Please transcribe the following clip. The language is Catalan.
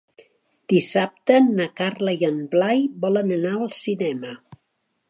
Dissabte na Carla i en Blai volen anar al cinema.